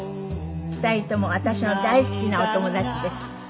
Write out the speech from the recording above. ２人とも私の大好きなお友達です。